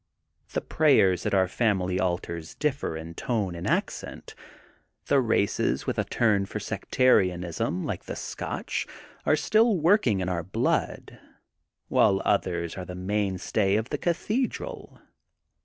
The pray ers at our family altars. differ in tone and accent. The races with a turn for sectarian ism, like the Scotch, are still working in our blood while others are the mainstay of the Cathedral.